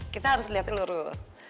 kita harus lihatnya lurus